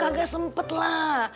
aduh kagak sempet lah